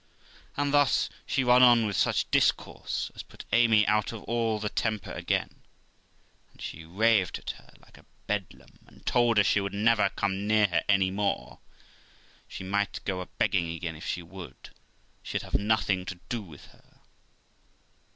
And thus she run on with such discourse as put Amy out of all temper again; and she raved at her like a bedlam, and told her she would never come near her any more; she might go a begging again if she would; she'd have nothing to do with her.